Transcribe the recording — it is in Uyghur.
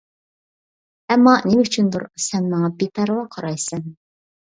ئەمما نېمە ئۈچۈندۇر، سەن ماڭا بىپەرۋا قارايسەن.